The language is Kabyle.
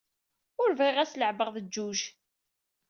Ur bɣiɣ ad tt-leɛbeɣ d jjuj.